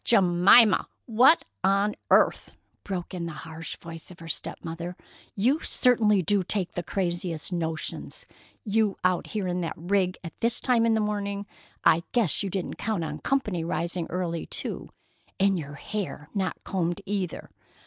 "Jemima, what on earth!" broke in the harsh voice of her step mother. "You certainly do take the craziest notions! You out here in that rig at this time in the morning! I guess you didn't count on company rising early, too. And your hair not combed either!